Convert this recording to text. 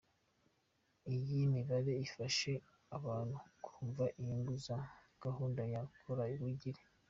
Iyi mibare ifashe abantu kumva inyungu za gahunda ya Kora wigire”.